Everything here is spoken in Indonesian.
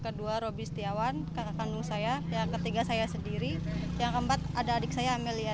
kedua roby setiawan kakak kandung saya yang ketiga saya sendiri yang keempat ada adik saya amelia